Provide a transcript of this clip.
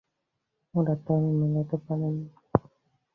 ওরা তাল মেলাতে পারেনি।